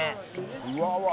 うわうわ